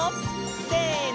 せの！